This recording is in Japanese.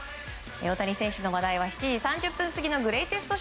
大谷選手の話題は７時３０分過ぎのグレイテスト